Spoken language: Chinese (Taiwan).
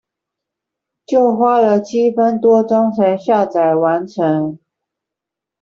就花了七分多鐘才下載完成